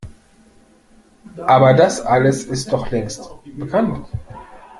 Aber das alles ist doch längst bekannt!